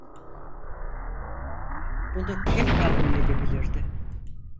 Bunu kim tahmin edebilirdi?